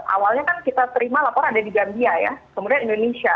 awalnya kan kita terima laporan ada di gambia ya kemudian indonesia